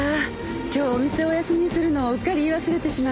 今日お店をお休みするのをうっかり言い忘れてしまって。